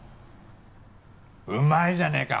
うまいじゃねえか！